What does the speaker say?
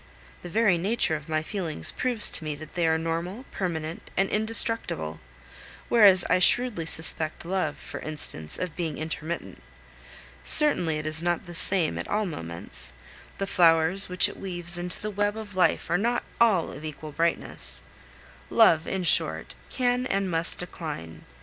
The very nature of my feelings proves to me that they are normal, permanent, and indestructible; whereas I shrewdly suspect love, for instance, of being intermittent. Certainly it is not the same at all moments, the flowers which it weaves into the web of life are not all of equal brightness; love, in short, can and must decline.